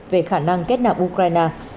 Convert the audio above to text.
về khả năng kết nạp ukraine